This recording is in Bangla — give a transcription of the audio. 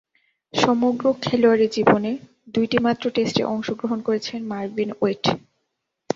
সমগ্র খেলোয়াড়ী জীবনে দুইটিমাত্র টেস্টে অংশগ্রহণ করেছেন মারভিন ওয়েট।